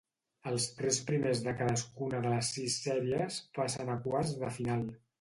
Els tres primers de cadascuna de les sis sèries passen a quarts de final.